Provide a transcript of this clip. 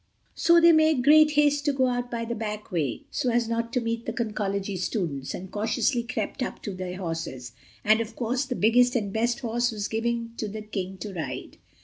So they made great haste to go out by the back way so as not to meet the Conchology students, and cautiously crept up to their horses—and, of course, the biggest and best horse was given to the King to ride.